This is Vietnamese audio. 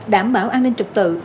đảm bảo an ninh trực tự